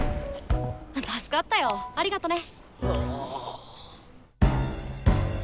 助かったよ。ありがとね！